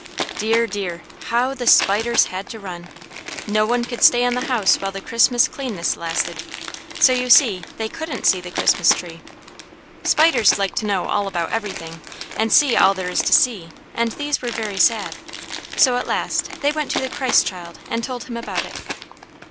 Dear, dear, how the spiders had to run! Not one could stay in the house while the Christmas cleanness lasted. So, you see, they couldn't see the Christmas Tree. Spiders like to know all about everything, and see all there is to see, and these were very sad. So at last they went to the Christ child and told him about it.